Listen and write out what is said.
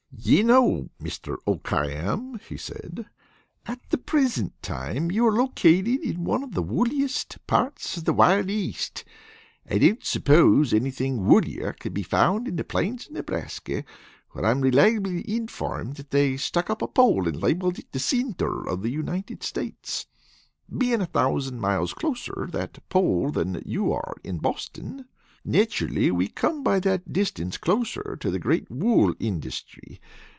"Ye know, Mister O'Khayam," he said, "at the present time you are located in one of the wooliest parts of the wild East. I don't suppose anything woolier could be found on the plains of Nebraska where I am reliably informed they've stuck up a pole and labeled it the cinter of the United States. Being a thousand miles closer that pole than you are in Boston, naturally we come by that distance closer to the great wool industry.